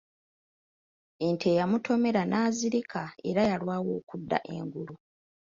Ente yamutomera n'azirika era yalwawo okudda engulu.